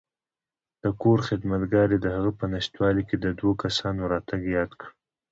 د کور خدمتګار یې دهغه په نشتوالي کې د دوو کسانو راتګ یاد کړ.